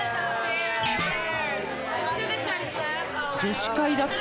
女子会だって。